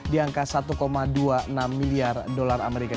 di angka satu dua puluh enam miliar dolar amerika